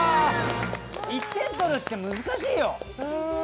１点取るって難しいよ。